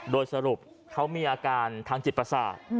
โดยสรุปเขามีอาการทางจิตประสาท